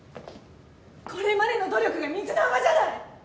これまでの努力が水の泡じゃない！